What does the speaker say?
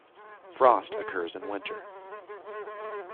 Frost occurs in winter.